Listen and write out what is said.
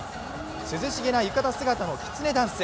涼しげな浴衣姿のきつねダンス。